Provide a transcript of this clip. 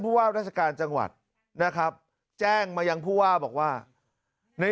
ว่าราชการจังหวัดนะครับแจ้งมายังผู้ว่าบอกว่าใน